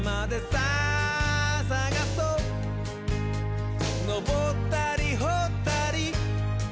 「さあさがそうのぼったりほったり」